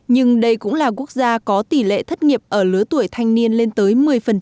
nhưng đây cũng là quốc gia có tỷ lệ thất nghiệp ở lứa tuổi thanh niên lên tới một mươi